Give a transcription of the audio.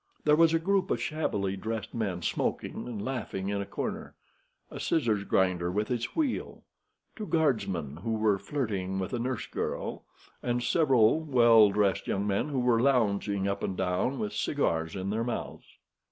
There was a group of shabbily dressed men smoking and laughing in a corner, a scissors grinder with his wheel, two guardsmen who were flirting with a nurse girl, and several well dressed young men who were lounging up and down with cigars in their mouths.